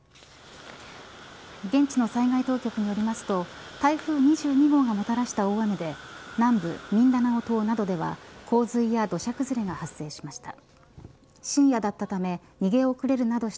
現地の災害当局によりますと台風２２号がもたらした大雨で南部ミンダナオ島などでは洪水や土砂崩れが発生しました。